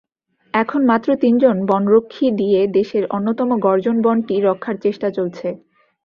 এখন মাত্র তিনজন বনরক্ষী দিয়ে দেশের অন্যতম গর্জন বনটি রক্ষার চেষ্টা চলছে।